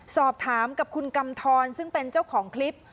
สอบถามกับคุณกำทรซึ่งเป็นเจ้าของคลิป